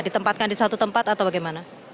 ditempatkan di satu tempat atau bagaimana